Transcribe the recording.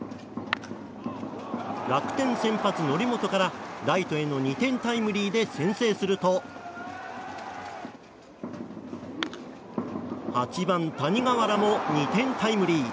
楽天先発、則本からライトへの２点タイムリーで先制すると８番、谷川原も２点タイムリー。